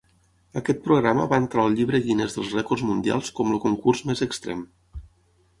Aquest programa va entrar al Llibre Guinness dels Rècords Mundials com el "concurs més extrem".